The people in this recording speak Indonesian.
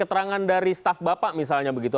keterangan dari staf bapak misalnya begitu